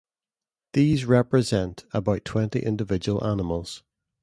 These represent about twenty individual animals.